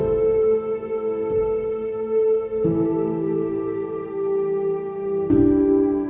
aku sakit juga sebenernya